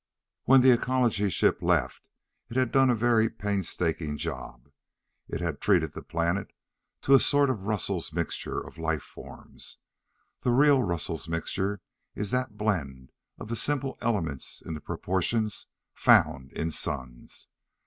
When the Ecology Ship left, it had done a very painstaking job. It had treated the planet to a sort of Russell's Mixture of life forms. The real Russell's Mixture is that blend of the simple elements in the proportions found in suns.